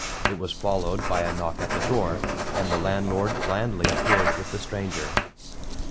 It was followed by a knock at the door, and the landlord blandly appeared with the stranger.